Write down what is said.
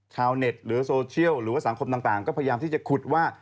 ชาวเน็ตหรือโซเชียลหรือว่าสังคมต่างก็พยายามที่จะขุดว่า